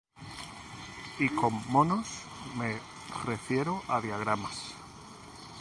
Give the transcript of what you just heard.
Y con “monos” me refiero a diagramas.